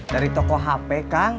dari toko hp kang